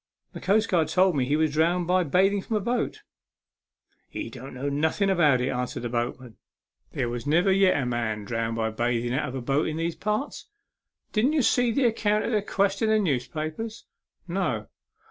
"The coastguard told me he was drowned by bathing from a boat." " He didn't know nothen about it," answered the boatman. " There never yet was a man A MEMORABLE SWIM. 69 drownded by bathing out of a boat in these parts. Didn't ye see the account of the 'quest in the newspapers ?" "No."